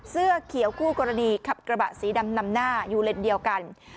เสื้อเขียวคู่กรณีขับกระบะสีดำนำหน้าอยู่เลนเดียวกัน